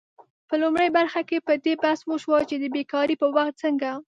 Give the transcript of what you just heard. په لومړۍ برخه کې په دې بحث وشو چې د بیکارۍ په وخت څنګه